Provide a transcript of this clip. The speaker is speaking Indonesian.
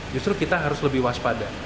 justru kita harus lebih waspada